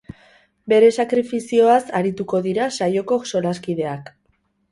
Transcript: Bere sakrifizioaz arituko dira saioko solaskideak.